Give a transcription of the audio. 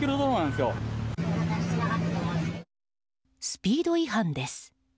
スピード違反です。